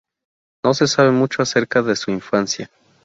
No se sabe mucho acerca de su infancia.